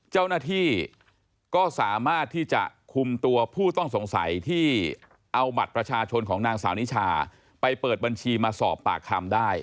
เจ้าหน้าที่ก็สามารถที่จะคุมตัวผู้ต้องสงสัยที่เอาบัตรประชาชนของนางสาวนิชาไปเปิดบัญชีมาสอบปากคำได้